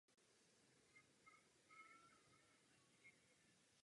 Plodenství je rovněž dužnaté.